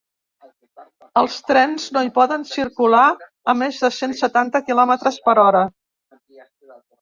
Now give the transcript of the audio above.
Els trens no hi poden circular a més de cent setanta quilòmetres per hora.